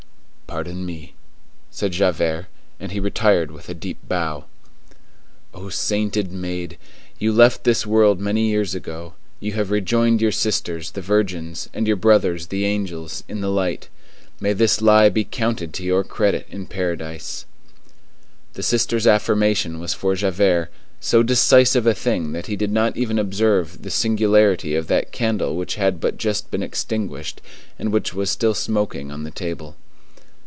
"Pardon me," said Javert, and he retired with a deep bow. O sainted maid! you left this world many years ago; you have rejoined your sisters, the virgins, and your brothers, the angels, in the light; may this lie be counted to your credit in paradise! The sister's affirmation was for Javert so decisive a thing that he did not even observe the singularity of that candle which had but just been extinguished, and which was still smoking on the table.